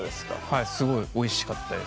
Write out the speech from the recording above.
はいすごいおいしかったです。